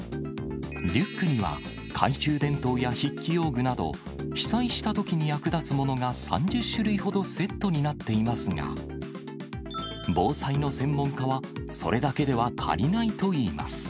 リュックには懐中電灯や筆記用具など、被災したときに役立つものが３０種類ほどセットになっていますが、防災の専門家は、それだけでは足りないといいます。